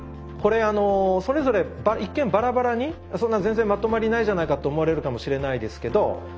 これそれぞれ一見バラバラにそんな全然まとまりないじゃないかと思われるかもしれないですけど